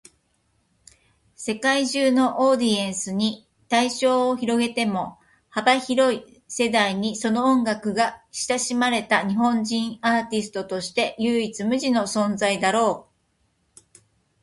世界中のオーディエンスに対象を広げても、幅広い世代にその音楽が親しまれた日本人アーティストとして唯一無二の存在だろう。